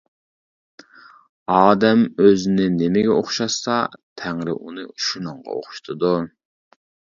ئادەم ئۆزىنى نېمىگە ئوخشاتسا تەڭرى ئۇنى شۇنىڭغا ئوخشىتىدۇ.